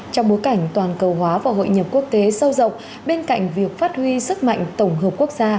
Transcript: trong bối cảnh toàn cầu hóa và hội nhập quốc tế sâu rộng bên cạnh việc phát huy sức mạnh tổng hợp quốc gia